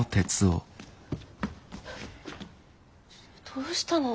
どうしたの？